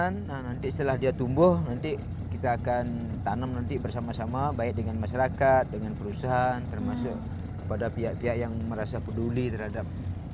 nah nanti setelah dia tumbuh nanti kita akan tanam nanti bersama sama baik dengan masyarakat dengan perusahaan termasuk kepada pihak pihak yang merasa peduli terhadap